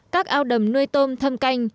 các ao đầm nuôi tôm thâm canh